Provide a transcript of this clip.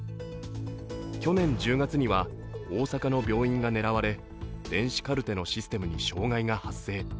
去年１０月には、大阪の病院が狙われ電子カルテのシステムに障害が発生。